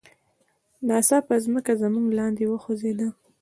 ناڅاپه ځمکه زموږ لاندې وخوزیده.